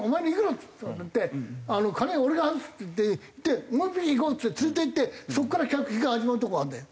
っつって金俺が払うっつってもう一軒行こうっつって連れて行ってそこから客引きが始まるとこがあるんだよ。